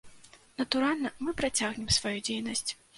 Натуральна, мы працягнем сваю дзейнасць.